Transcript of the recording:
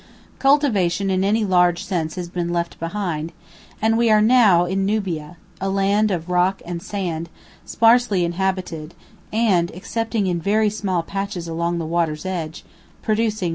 Cultivation in any large sense has been left behind, and we are now in Nubia, a land of rock and sand, sparsely inhabited, and, excepting in very small patches along the water's edge, producing no crops.